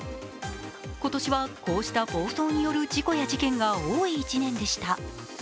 今年はこうした暴走による事故や事件が多い１年でした。